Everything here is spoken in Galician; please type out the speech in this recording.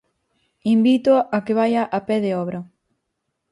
Invítoo a que vaia a pé de obra.